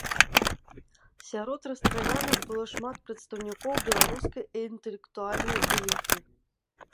Сярод расстраляных было шмат прадстаўнікоў беларускай інтэлектуальнай эліты.